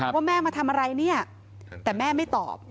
ว่าแม่มาทำอะไรเนี่ยแต่แม่ไม่ตอบ